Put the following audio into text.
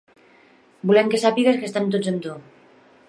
Volem que sàpigues que estem tots amb tu.